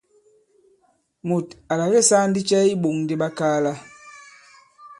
Mùt à làke saa ndi cɛ i iɓōŋ di ɓakaala ?